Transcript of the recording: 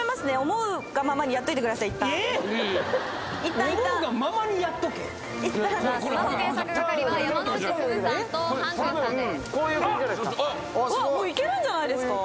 もういけるんじゃないですか？